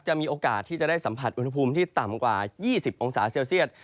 มีโอกาสที่จะได้สัมผัสอุณหภูมิที่ต่ำกว่า๒๐องศาเซลเซียต